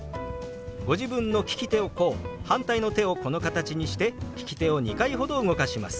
ご自分の利き手をこう反対の手をこの形にして利き手を２回ほど動かします。